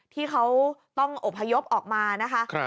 ที่เขาต้องอบพยพออกมานะคะ